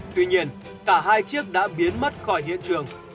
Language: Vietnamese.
tuy nhiên cả hai chiếc đã biến mất khỏi hiện trường